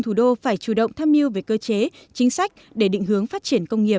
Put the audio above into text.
thủ đô phải chủ động tham mưu về cơ chế chính sách để định hướng phát triển công nghiệp